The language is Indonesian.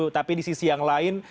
tapi di sisi yang lain